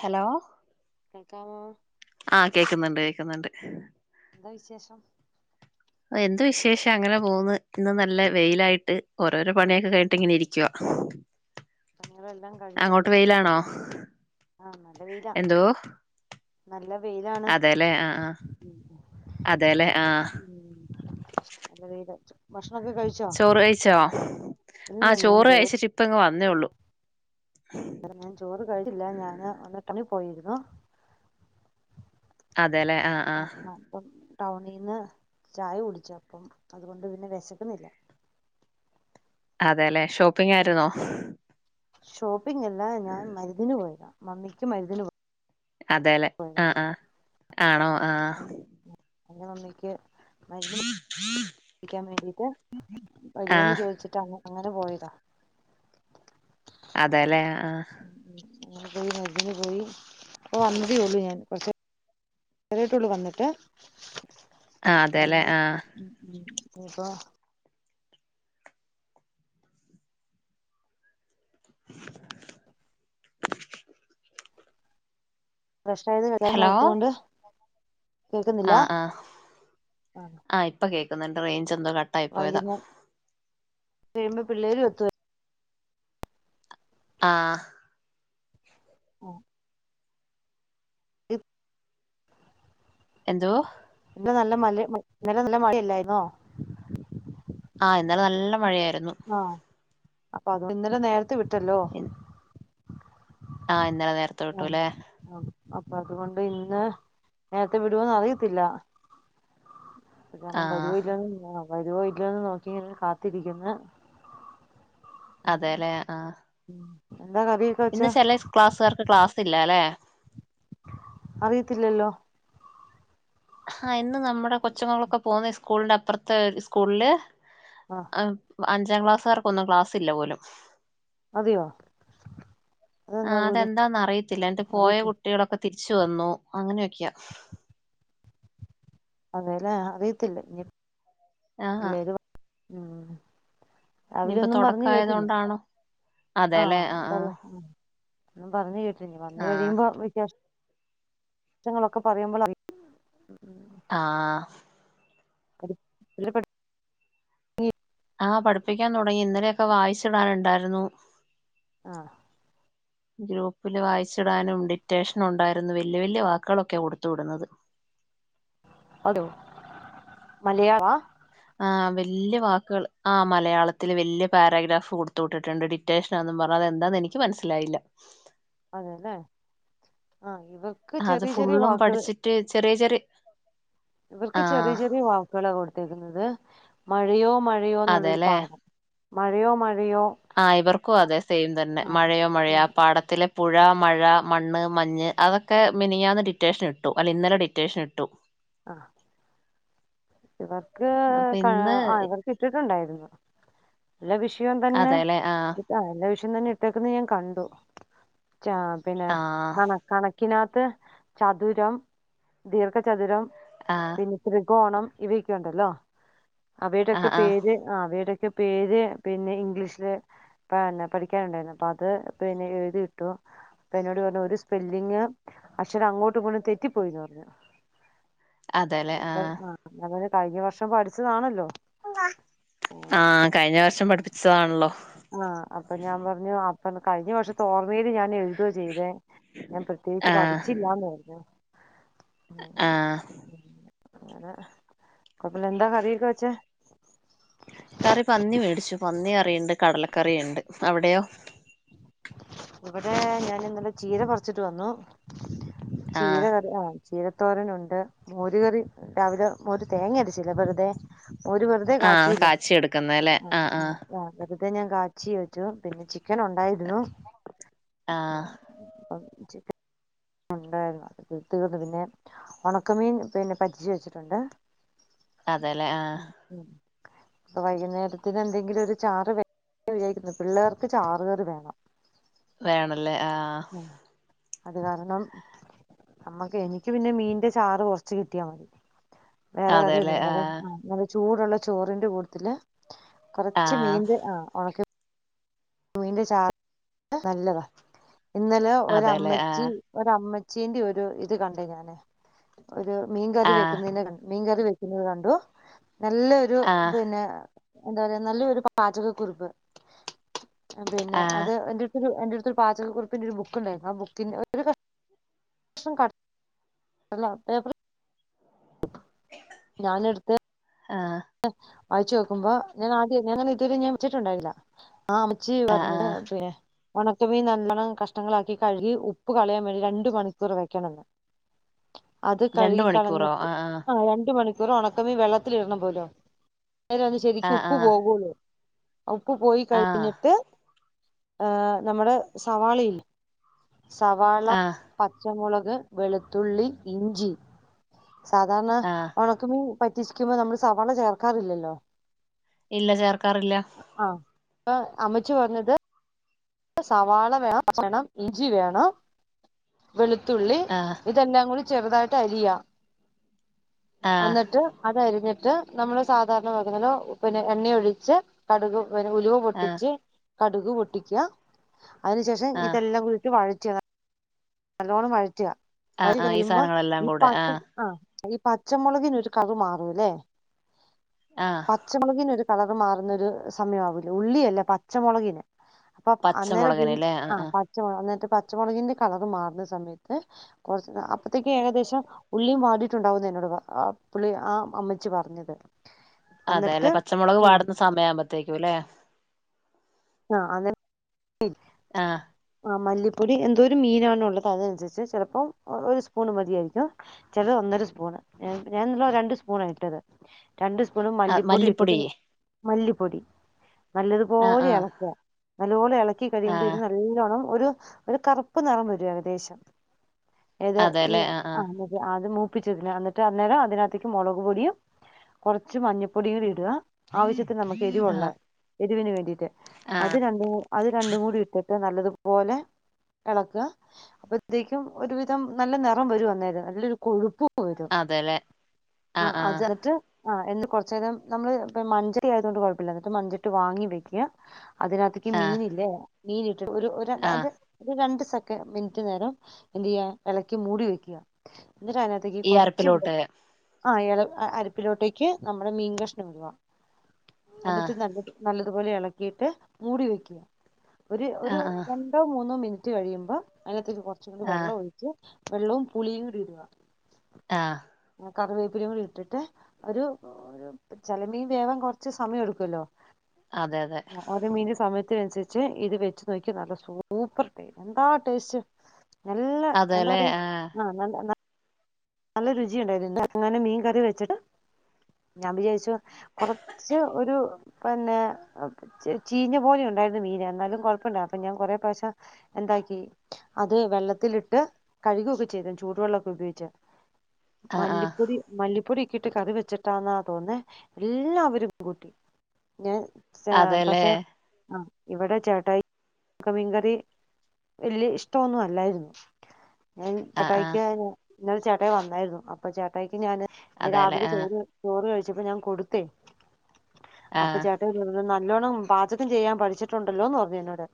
Hello കേക്കമോ? ആഹ് കേൾക്കുന്നുണ്ട് കേൾക്കുന്നുണ്ട് എന്താ വിശേഷം? എന്തു വിശേഷം അങ്ങനെ പോകന്ന് ഇന്ന് നല്ല വെയിലായിട്ട് ഓരോരോ പണിയൊക്കെ കഴിഞ്ഞിട്ട് ഇങ്ങനെ ഇരിക്കുവ പണികളെല്ലാം കഴിഞ്ഞോ അങ്ങോട്ട് വെയിലാണോ? ആഹ് നല്ല വെയിലാ എന്തോ നല്ല വെയിലാണ് അതെല്ലേ ആഹ് ആഹ് അതെല്ലെ ആഹ് ഉം നല്ല രീതിയിലുണ്ട് ഭക്ഷണൊക്കെ കഴിച്ചു ചോറ് കഴിച്ചോ ആഹ് ചോറ് കഴിച്ചിട്ട് ഇപ്പ ഇങ്ങ് വന്നേള്ളൂ ഞാൻ ചോറ് കഴിഞ്ഞില്ല ഞാന് ഒന്ന് ടൗണിൽ പോയിരുന്നു അതെല്ലേ ആഹ് ആഹ് ഇപ്പം ടൗണിൽ നിന്ന് ചായ കുടിച്ചു അപ്പം അതുകൊണ്ട് പിന്നെ വിശക്കുന്നില്ല അതെല്ലെ ഷോപ്പിംഗ് ആ ആയിരുന്നോ? ഷോപ്പിംഗ് അല്ല ഞാൻ മരുന്നിന് പോയതാ മമ്മിക്ക് മരുന്നിനു പോയ അതേല്ലേ ആഹ് ആഹ് ആണോ ആഹ് ആ മമ്മിക്ക് മരുന്നി പി പി ക്കാൻ വേണ്ടിട്ട് വരുവോന്നു ആഹ് ചോദിച്ചിട്ട് അ അങ്ങനെ പോയതാ അപ്പം അതെല്ലേ ആഹ് മമ്മിക്ക് മരുന്നിനു പോയി ഇപ്പൊ വന്നതേ ഉള്ളൂ ഞാൻ നേരിട്ടുള്ളു വന്നിട്ട് ആഹ് അതെല്ലേ വന്ന് ആഹ് ഇപ്പൊ ഫ്രഷ ആയത് ഹലോ വരാന്നോർത്തൊണ്ട് ആഹ് ആഹ് ആഹ് ഇപ്പൊ കേൾക്കുന്നുണ്ട് റേഞ്ച് എന്തോ കട്ട വൈകുന്നേ കഴിയുമ്പോ പിള്ളേരും എത്തു ആഹ് ഓ [unintelligible] എന്തോ ഇന്ന് നല്ല മ ഇന്നലെ നല്ല മഴല്ലായിരുന്നോ? ആഹ് ഇന്നലെ നല്ല മഴയായിരുന്നു ആഹ് അപ്പ അഹ് ഇന്നലെ നേരത്തെ വിട്ടല്ലോ ആഹ് ഇന്നലെ നേരത്തെ ആഹ് വിട്ടുല്ലേ ആഹ് അപ്പൊ അതുകൊണ്ട് ഇന്ന് നേരത്തെ വിടുമന്ന് അറിയത്തില്ല ആഹ് വരുവോ ഇല്ലയൊന്ന് വരുവോ ഇല്ലയോന്ന് നോക്കി ഞാൻ ഇങ്ങനെ കാത്തിരിക്കുന്ന് ഉം അതെല്ലേ ആഹ് ഉം എന്താ കറി? ഇന്ന് ചില ക്ലാസ്സുകാർക്ക് ക്ലാസ് ഇല്ല അല്ലെ? അറിയത്തില്ലല്ലോ ആഹ ഇന്ന് നമ്മുടെ കൊച്ചങ്ങോളൊക്കെ പോകുന്ന സ്കൂളിന്റെ അപ്പുറത്തെ സ്കൂളില് ആഹ അഞ്ചാം ക്ലാസ്സുകാർക്കൊന്നും ക്ലാസ് ഇല്ല പോലും അതെയോ ആഹ അതെന്താ പോലും അതെന്താന്നന്ന് അറിയത്തില്ല എന്നിട്ട് പോയ അറിയത്തി കുട്ടികളൊക്കെ തിരിച് വന്നു അങ്ങനെയൊക്കെയാ അതേല്ലേ അറിയത്തില്ല ഇനി ആഹ് പിള്ളേര് ഉ രാവിലെ ഇനിയിപ്പോ ഒന്നും പറഞ്ഞഞ് തുടക്കായത് കേട്ടില്ല കൊണ്ടാണോ അതെല്ലേ ആഹ ആഹ് പറയാം പറഞ്ഞഞ് കേട്ടി വന്ന് ആഹ് കഴിയുമ്പോ വിഷേങ്ങളൊക്കെ പറയുമ്പോൾ ആഹ [unintelligible] ആഹ പഠിപ്പിക്കാൻ തുടങ്ങി ഇന്നലെയൊക്കെ വായിച്ചിടാനുണ്ടായിരുന്നു ആഹ ഗ്രൂപ്പില് വായിച്ചിടാനും ഡിറ്റേഷനും ഉണ്ടായിരുന്നു വല്യ വല്യ വാക്കുകളൊക്കെ കൊടുത്ത വിടുന്നത് അത മലയാള ആഹ വല്യ വാക്കുകൾ ആ മലയാളത്തില് വല്യ പാരഗ്രാഫ് കൊടുത്ത വിട്ടിട്ടുണ്ട് ഡി റ്റേഷൻ ആന് പറഞ്ഞത് എന്താന്ന് എനിക്ക് മനസ്സിലായില്ല അതെല്ലേ ആഹ് ഇവ അത് ഫുള്ളും പഠിച്ചിട്ട് ചെറിയ ചെറിയ ഇവർക്ക് ചെറിയ ആഹ് ചെറിയ വാക്കുകളൊ കൊടുത്തേക്കുന്നത് മഴയോ മഴയോ എന്നുള്ളൊരു അതെല്ലേ പാഠം മഴയോ മഴയോ ആഹ ഇവർക്കും അതെ സെയിം തന്നെ ആഹ് മഴയോ മഴയോ ആ ഉം പാടത്തിലെ പുഴ മഴ മണ്ണ് മഞ്ഞ് അതൊക്കെ മിനിയാന്ന് ഡിറ്റേഷൻ ഇട്ടു അല്ല ഇന്നലെ ഡിറ്റേഷൻ ഇട്ടു [unintelligible] ആഹ ഇവർക്ക് അപ്പൊ ഇന്ന് ആഹ ഇവർക്ക് ഇട്ടിട്ടുണ്ടായിരുന്നു എല്ല വിഷയം തന്നെ അതെല്ലേ ആഹ് ഇട്ട എല്ലാ വിഷയം തന്നെ ഇട്ടേക്കന്ന് ഞാൻ കണ്ടു ച്ച പിന്നെ ആഹ് കണ കണ ക്കിനത്ത് ചതുരം ദീർഘചതുരം ആഹ പിന്നെ ത്രികോണം ഇവയൊക്കെ ഉണ്ടല്ലോ അവയുടെക്കെ ആഹ് ആഹ് പേര് ആഹ അവടെക്കെ പേര് പിന്നെ ഇംഗ്ലീഷില് പിന്നെ പഠിക്കാനുണ്ടായിരുന്നു അപ്പൊ അത് പിന്നെ എഴുതി ഇട്ടു അപ്പ എന്നോട് പറഞ്ഞഞ് ഒരു സ്പെല്ലിങ് അക്ഷരം അങ്ങോട്ടും ഇങ്ങോട്ടും തെറ്റിപ്പോയിന്ന് പറഞ്ഞു [unintelligible] ഞ ആഹ് ആഹ ഞ കഴിഞ്ഞ വർഷം പഠിച്ചതാണല്ലോ ആ ആഹ് കഴിഞ്ഞ വർഷം പഠിപ്പിച്ചതാണല്ലോ ആഹ അപ്പൊ ഞാൻ പറഞ്ഞു അപ്പൊ കഴിഞ്ഞ വർഷത്തെ ഓർമ്മയിൽ ഞാൻ എഴുതോ ചെയ്തേ ഞാൻ പ്രത്യേകിച്ച് ആഹ് പഠിച്ചില്ലാന്ന് പറഞ്ഞു ആഹ് പ്പലെന്ത കറിയൊക്കെ വച്ചെ കറി പന്നി മേടിച്ചു പന്നി കറിയുണ്ട് കടലക്കറിയുണ്ട് അവിടെയോ ഇവിടെ ഞാൻ ഇന്നലെ ചീര പറിച്ചിട്ട് വന്നു ചീര ആഹ് കറി ആഹ ചീരത്തോരനുണ്ട് മോരുകറി രാവിലെ മോര് തേങ്ങ അടച്ചില വെറുതെ മോര് വെറുതെ അതെ ആഹ് കാച്ചുല്ലേ കാച്ചി എടുക്കുന്നല്ലേ ആഹ ആഹ് ആഹ ആഹ് ആഹ വെറുതെ ഞാൻ കാച്ചി വെച്ചു പിന്നെ ചിക്കൻ ഉണ്ടായിരുന്നു ആഹ് [unintelligible] ഉണ്ടായിരുന്നു അത് പിന്നെ ഉണക്കമീൻ പിന്നെ പച്ചിച്ച വെച്ചിട്ടുണ്ട് അതെല്ലേ ആഹ് ഉം ഉം അപ്പ വൈകുന്നേരത്തിന് എന്തെങ്കിലും ഒരു ചാറ് വെ വിചാരിക്കുന്നു പിള്ളേർക്ക് ചാറുകേർ വേണം വേണല്ലേ ആഹ് അത് കാരണം ക നമ്മക്ക് എനിക്ക് പിന്നെ മീന്റെ ചാറ് കുറച്ച് കിട്ടിയാ മതി വേറെ അതെല്ലേ കറിയൊന്നല്ല ആഹ് [unintelligible] ചൂടുള്ള ചോറിന്റെ കൂടത്തിൽ കൊറച്ച് ആഹ് മീൻ്റെ ഉണക്ക മീന്റെ ചാറ് നല്ലതാ ഇന്നലെ അതെല്ലേ ഒരമ്മച്ചി ആഹ് ഒര അമ്മച്ചീന്റെ ഒരു ഇത് കണ്ടേ ഞാനെ ഒരു മീൻകറി ആഹ് വെക്കുന്നന് മീൻകറി വെ കണ്ടു നല്ലൊരു ആഹ് പിന്നെ എന്താ പറയാ നല്ലരു പാചകക്കുറിപ്പ് പിന്നെ അത് ആഹ് എന്റെ എന്റെടുത്തൊരു പാചകക്കുറിപ്പിന്റെ ഒരു ബുക്കുണ്ടായിരുന്നു ആ ബുക്കിന് [unintelligible] ഒരു അ പേപ്പ ഞാന എടുത്ത് ആഹ് വായിച്ചു നോക്കുമ്പോ ഞാൻ ആദ്യം ഞങ്ങ ഇതുവരെ ഞാൻ വിെച്ചിട്ടുണ്ടായില്ല ആ അമച്ചി ആഹ് വരഞ്ഞിട ആഹ് [unintelligible] ഉണക്കമീൻ നല്ലണ്ണം കഷ്ണങ്ങളാക്കി കഴുകി ഉപ്പ് കളയാൻ വേണ്ടി രണ്ട് മണിക്കൂർ വെക്കണന്ന് അത് രണ്ട് മണിക്കൂറോ കഴുകിക്കളഞ്ഞിട്ട് ആഹ് രണ്ട മണിക്കൂറും ഉണക്കമീൻവെള്ളത്തി ഇടണം പോലോ നേര ഒന്ന് ശരിക്കും ആഹ് ഉപ്പ് ആഹ് പോകുള്ളൂ ഉപ്പ് പോയി ആഹ് കഴിഞ്ഞിട്ട് ഏഹ് നമ്മുടെ സവാളയില്ലെ സവാള ആഹ് പച്ചമുളക് വെളുത്തുള്ളി ഇഞ്ചി സാധാരണ ആഹ് ഉണക്ക് ണക്കമീൻ പറ്റിച്ചിരിക്കുമ്പോ നമ്മള് സാധാരണ ചേർക്കാറില്ലല്ലോ ഇല്ല ചേർക്കാറില്ല ആഹ് അമ്മച്ചു പറഞ്ഞത് സവാള വേണം വേണം ഇഞ്ചി വേണം വെളുത്തുള്ളി ആഹ് ഇതെല്ലാം കൂടി ചെറുതായിട്ട് അരിയാ ആഹ് എന്നിട്ട് അതരിഞ്ഞിട്ട് നമ്മള് സാധാരണ വക്കുന്നല്ലോ പിന്നെ എണ്ണയ ഒഴിച്ച് കടുക ഉലുവ ആഹ് പൊട്ടിച്ച് കടുക് പൊട്ടിക്ക അതിനന് ശേഷം ആഹ് ഇതെല്ലാം കൂടിട്ട് വഴറ്റി നല്ലോണ്ണം വഴറ്റ ആഹ് വയറ്റി ആഹ് ഈ കഴിയുമ്പോ സാധനങ്ങളെല്ലാം ഈ കൂടെ പാട്ടം ആഹ് ഈ പച്ചമുളകിന് ഒരു കളറു മാറുംല്ലേ ആഹ് പച്ചമുളകിന് ഒരു കളർ മാറുന്നൊരു സമയംവില്ലേ ഉള്ളിയല്ലേ പച്ചമുളകിന് അപ്പൊ അന്നേര ഒര് പച്ചമുളകിനില്ലേ ആഹ് ആ ആഹ് പച്ചമുളക് അന്നേരത്തെ പച്ചമുളകിന്റെ കളർ മാറുന്ന സമയത്ത് കുറച്ച് അപ്പഴത്തേക്ക് ഏകദേശം ഉള്ളിയും വാടിയിട്ടുണ്ടാവുന്ന എന്നോട് പുള്ളി ആ അമ്മച്ചി പറഞ്ഞത് എന്നിട്ട് അതെല്ലെ പച്ചമുളക് ആ വാടുന്ന സമയ ആവുമ്പോത്തേക്കുംല്ലേ ആഹ് അതെ [unintelligible] ആഹ് ആ മല്ലിപ്പൊടി എന്തോ ഒരു മീനാണ ഉള്ളത് അതനുസരിച്ച് ചെലപ്പോം ഒരു സ്പൂൺ മതിയായിരിക്കും ചെലത് ഒന്നര സ്പൂണ് ഞാൻ ഇന്ന് രണ്ട് സ്പൂണാ ഇട്ടത് രണ്ട് സ്പൂണും മല്ലിപ്പൊടി ഇട്ടിട്ട് മല്ലിപ്പൊടി ആഹ് നല്ലതുപോലെ ആഹ് എളക്ക ല്ലതുപോല എളക്കി കഴിയുമ്പോ ഇത് ആഹ് നല്ലോണം ഒരു ഒരു കറുപ്പ് നിറം വരും ഏകദേശം ഏത് ഈ അതെല്ലേ ആഹ് ആഹ് ആഹ അത് മൂപ്പിച്ചിടുന്ന എന്നിട്ട് അന്നേരം അതിനകത്തേക്ക് മുളക് പൊടിയും കുറച്ച് മഞ്ഞപ്പൊടിയൂടി ഇട ആവശ്യത്തിന് നമുക്ക് എരിവുള്ള ആഹ് എരിവിന് വേണ്ടിയിട്ട് ആഹ് അത് രണ്ട് അത് രണ്ടും കൂടി ഇട്ടിട്ട് നല്ലതുപോലെ എളക്ക അപ്പത്തേക്കും ഒരുവിധം നല്ല നെറം വരും അന്നേരം നല്ലൊരു കൊഴുപ്പും പ്പുവരും അതെല്ലേ ആഹ് ആഹ ആഹ് അത് അത് ആഹ എന്നിട്ട് കൊർച്ചേരം നമ്മള് മഞ്ചടി ആയതുകൊണ്ട് കുഴപ്പല്ല എന്നിട്ട് മഞ്ചട്ടി വാങ്ങി വെക്ക്യ അതിനകത്തക്ക് ആഹ് മീനില്ലേ മീൻ ഇട്ട് ഒരു ഒര ആഹ് അര. ഒരു രണ്ട് സെക്ക മിൻറ്റ് നേരം എന്തെയ്യ എളക്കി മൂടി വെക്കുക ന്നട്ട് അതിനകത്ത് ഈ അരപ്പിലോട്ട് ആഹ ഇ അരിപ്പിലോട്ടേക്ക് നമ്മുടെ മീൻ കഷ്ണം ഇടുവാ ആഹ് എന്നിട്ട് നല്ലത് നല്ലതുപോലെ എളക്കിട്ട് മൂടി വെക്കുക ഒര് ഒരു ആഹ് ആഹ് ര. ണ്ടോ മൂന്നോ മിനിറ്റ് കഴിയുമ്പം അയ്നകത്തേക്ക് കുറച്ച് കൂടി ആഹ് വെള്ളം ഒഴി - വെള്ളവും പുളിയും ഇടുക. ആഹ കറിവേപ്പിലിം കൂടി ഇട്ടിട്ട് ഒരു ചല മീൻ വേവാൻ കൊറച്ച് സമയം എടുക്കുവല്ലോ അതെ അതെ ഓരോമീന സമയത്തിനനുസരിച്ച് ഇത് വെച്ച് നോക്കിക്കെ നല്ല സൂപ്പർ ടേ എന്താ ടേസ്റ്റ്. നല്ല എന്താ അതെല്ലേ പറയാ ആഹ് ആഹ നല്ല നല്ല രുചിയുണ്ടായിരുന്നു [inaudible] ങ്ങനെ മീൻ കറി വെച്ചിട്ട് ഞാൻ വിചാരിച്ചു കൊറച്ച് ഒരു പിന്നെ ചീഞ്ഞ പോലെ ഉണ്ടായിരുന്ന മീന എന്നാലും കൊഴപ്പല്ല അപ്പൊ ഞാൻ കൊറെ പ്രശ്യം എന്താക്കി അത് വെള്ളത്തിലിട്ട് കഴ്കുക്കെ ചെയ്തു ചൂടുവെള്ളക്കെ ഉപയോഗിച്ച് ആഹ് ആഹ് മല്ലിപ്പൊടി മല്ലിപ്പൊടിക്കെ ഇട്ട് കറി വെച്ചിട്ടാന്ന തോന്നേ എല്ലാവരുംകൂട്ടി ഞാൻ ആഹ അതെല്ലേ പക്ഷേ അഹ ഇവിടെ ചേട്ടായി ക്ക് മീൻകറി വല്യ ഇഷ്ടമൊന്നും അല്ലായിരുന്നു ഞാൻ ആഹ് ആഹ് ചേട്ടായിക്ക് ഇന്നലെ ചേട്ടായി വന്നായിരുന്നു അപ്പൊ ചേട്ടായിക്ക് ഞാന് ഇന്ന് അതെല്ലേ രാവിലെ ആഹ് ചോറ് ചോറ് കഴിച്ചപ്പോ ഞാൻ കൊടുത്തേ അപ്പൊ ആഹ് ചേ നല്ലോണം പാചകം ചെയ്യാൻ പഠിച്ചിട്ടുണ്ടല്ലോന്ന് പറഞ്ഞു എന്നോട്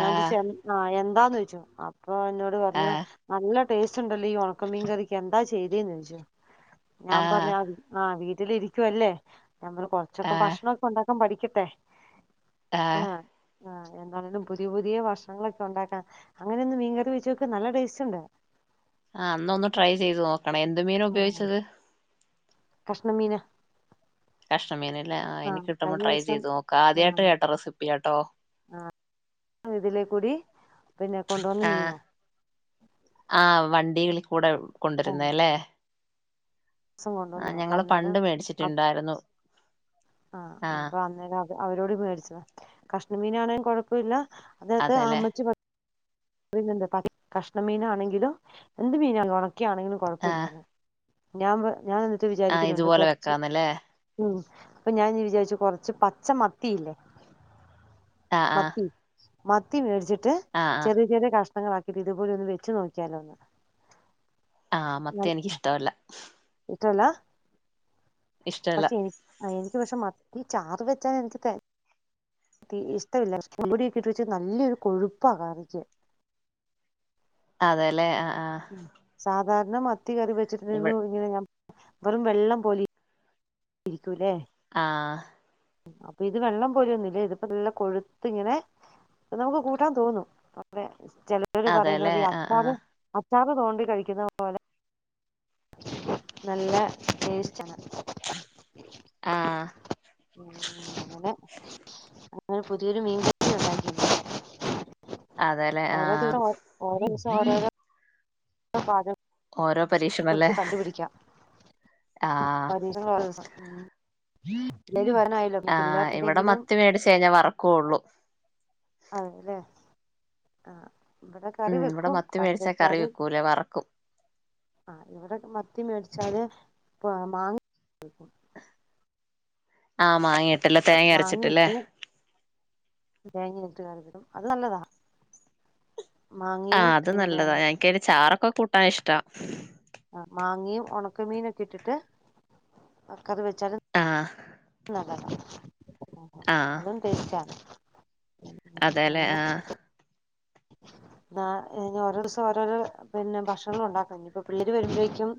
ഞാൻ ചോയ്ച്ചു എ - ആഹ എന്താന്ന് ചോയ്ച്ചു അപ്പൊ എന്നോട് പറഞ്ഞു ആഹ് നല്ല ടേസ്റ്റ് ഉണ്ടല്ലോ ഈ ഉണ മീൻ കറിക്ക് എന്താ ചെയ്തേന്ന് ചോയ്ച്ചു ഞാൻ പറഞ് ആഹ് ആഹ വീട്ടിലിരിക്കുവല്ലേ ഞമ്മൾ കൊറച്ചൊക്കെ ആഹ് ഭക്ഷണൊക്കെ ഉണ്ടാക്കാൻ പഠിക്കട്ടെ ആഹ ആഹ എന്താണേലും പുതിയ പുതിയ ഭക്ഷണങ്ങളൊക്കെ ഉണ്ടാക്കാം അങ്ങനെയൊന്ന് മീൻകറി വെച്ചോക്ക് നല്ല ടേസ്റ്റ്ണ്ട് ആഹ ന്ന ഒന്ന് ട്രൈ ചെയ്ത് നോക്കണെ എന്ത് മീന ഉപയോഗിച്ചത് കഷ്ണമീന കഷ്ണമീനല്ലെ ആഹ നി കിട്ടുമ്പോ കഴിഞ്ഞ ട്രൈ ദിവസം ചെയ്തു നോക്ക ആദ്യായിട്ട് കേട്ട റെസിപ്പിയാട്ടോ ആഹ ഇതിലേക്കൂടി ആഹ ആ വണ്ടികളി കൂടെ ആ കൊണ്ടരുന്ന ല്ലേ ദിവസം ആഹ കൊണ്ടുവന്ന അപ്പൊ ഞങ്ങള് പണ്ട് അന്നേരം മേടിച്ചിട്ടുണ്ടായിരുന്നു ആഹ് അപ്പ അങ്ങനെ അവ അവരോട് മേടിച്ചതാ. കഷ്ണം മീനാണെങ്കിലും കൊഴപ്പയില്ല അതൊക്കെ ആഹ് അതെല്ലേ ഉമ്മച്ചി പറഞ്ഞു. അപ്പ പിന്നെന്താ കഷ്ണം മീനാണെങ്കിലും എന്ത് മീനായാലും ഒണക്കാണെങ്കിലും ആഹ് കൊഴപ്പില്ലാന്ന് ഞാൻ പ ഞാൻ എന്നിട്ട് ആഹ് വിചാരിക്കുന്നുണ്ട് ഇതുപോലെ കൊറച്ച് വെക്കാന്നല്ലേ ഉം അപ്പ ഞാനിനി വിചാരിച്ചു കൊറച്ച് പച്ച മത്തിയില്ലേ ആഹ് ആഹ് മത്തി മത്തി മേടിച്ചിട്ട് ആഹ് ആഹ് ചെറിയ ചെിയ കഷങ്ങളാക്കിട്ട് ഇതുപോലെ ഒന്ന് വെച്ചു നോക്കിയാലോന്ന്. ആഹ് മത്തി എനിക്കിഷ്ടമല്ല. ഇഷ്ടല്ല? ഇഷ്ടവല്ല പക്ഷെ എനി ആഹ് എനിക്ക് പക്ഷെ മത്തി ചാറ് വെച്ചാ ഞാൻ എനിക്ക് ത്തി ഇഷ്ടമില്ല പക്ഷെ മല്ലിപ്പൊടിയൊക്കെ ഇട്ട് വെച്ചാ നല്ലൊരു കൊഴുപ്പാ കാണിച്ചേ. അതേല്ലെ ആഹ് ആഹ് സാധാരണ മത്തി കറി വെച്ച്ട്ട് [unintelligible] വെറും വെള്ളം പൊലെയി രിക്കൂലേ? ആഹ് അപ്പൊ ഇത് വെള്ളം പോലൊന്നുല്ല ഇതിപ്പോ നല്ല കൊഴുത്ത്ങ്ങനെ ഇത്‌ നമുക്ക് കൂട്ടാൻ തോന്നും. അവിടെ ചെലര് അതെല്ലേ പറയുന്നമാരി ഈ ആഹ് അച്ചാറ് ആഹ് അച്ചാറ് തോണ്ടി കഴിക്കുന്ന പോലെ നല്ല ടേസ്റ്റാണ്. ആഹ് അങ്ങനെ അങ്ങനെ പുതിയൊരു മീൻകറി ഉണ്ടാക്കില്ലേ. അതെല്ലേ ഓരോ ആഹ് ദിവസം ഓരോ ദിവസം ഓരോരോ പാചകം ഓരോ പരീക്ഷണല്ലേ, ആഹ് ഓരോ ദിവസം പരീക്ഷണങ്ങൾ ആഹ്, പിള്ളേര് പറഞ്ഞമാരി ആഹ് ഇവിടെ മത്തി മേടിച്ച് കഴിഞ്ഞാ വറക്കൊള്ളു. അതെല്ലേ, ആഹ് ഇവിടെ കറി വെക്കും. കറി വെച്ചാലും പിന്നെ വറക്കും. ആഹ് ഇവിടെക്കെ മത്തി മേടിച്ചാല് ഇപ്പ മാങ്ങ [unintelligible] ആഹ് മാങ്ങേടും മാങ്ങയിട്ട് തേങ്ങയിട്ട് കറിവെക്കും. അത് നല്ലതാ മാങ്ങയും പിന്നെ ക്കേലെ ചാറൊക്കെ കൂട്ടാനിഷ്ടാ ആഹ് മാങ്ങയും ഒണക്കമീനൊക്കെ ഇട്ടിട്ട് കറി വെച്ചാലും ആഹ് അതെ ആഹ് അതും തെറ്റാ അതെല്ലേ അങ്ങനെ ആഹ് ആഹ് ഇങ്ങനെ ഓരോ ദിവസം ഓരോരോ പിന്നെ ഭക്ഷണൊണ്ടാക്കും. അപ്പ പിള്ളേര് വരുമ്പഴേക്കും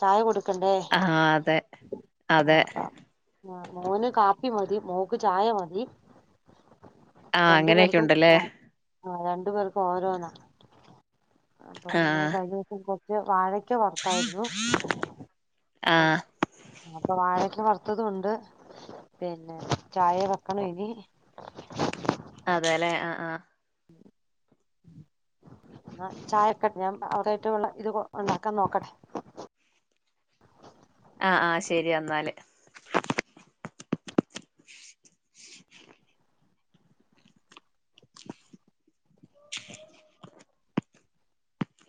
ചായ കൊടുക്കണ്ടേ ആഹ് അതെ അതെ ആഹ് ആഹ് ആഹ് മോന് കാപ്പി മതി മോക്ക് ചായ മതി ആഹ് രണ്ടു പേർക്കും അങ്ങനെയൊക്കെയുണ്ടല്ലേ. ആഹ് ആഹ് രണ്ടു പേർക്കും ഓരോന്നാ. അപ്പപിന്നെ ഞാൻ ആഹ് കഴിഞ്ഞോസം വാഴക്ക വറത്തായിരുന്നു അപ്പം ആഹ് അപ്പൊ വാഴക്ക വറുത്തതുംണ്ട് പിന്നെ ചായ വെക്കണ ഇനി അതെല്ലെ ആ ആഹ് ആ ചായ വെക്കെട്ടെ ഞാൻ [unintelligible] ഇത്ണ്ടാക്കാൻ നോക്കട്ടെ. അ ആ ശരി എന്നാല് [inaudible]